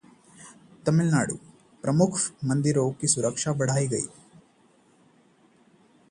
तमिलनाडु: प्रमुख मंदिरों की सुरक्षा बढ़ाई गई